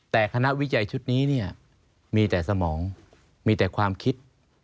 แต่คณะวิจัยชุดนี้เนี่ยมีแต่สมองมีแต่ความคิด